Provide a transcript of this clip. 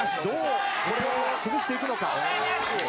どうこれを崩していくのか。